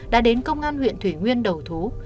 đã đến công an huyện thủy nguyên đầu thú